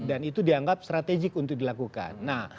dan itu dianggap strategik untuk dilakukan